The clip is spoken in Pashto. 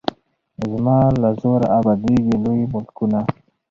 زما له زوره ابادیږي لوی ملکونه